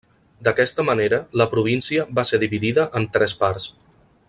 D'aquesta manera, la província va ser dividida en tres parts.